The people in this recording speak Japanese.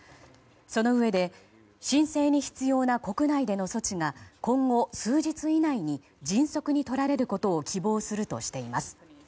そのうえで、申請に必要な国内での措置が今後、数日以内に迅速に取られることを希望するとしています。